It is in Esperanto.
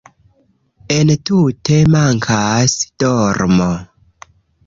Entute mankas dormo